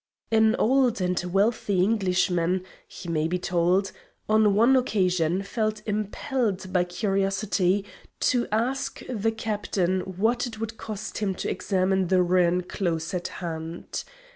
An old and wealthy Englishman, he may be told, on one occasion felt impelled by curiosity to ask the captain what it would cost him to examine the ruin close at hand.